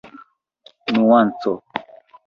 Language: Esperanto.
nuanco